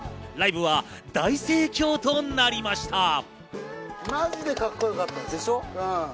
ライブは大盛況となりました。